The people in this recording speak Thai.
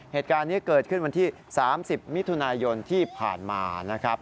เหตุการณ์นี้เกิดขึ้นวันที่๓๐มิถุนายนที่ผ่านมานะครับ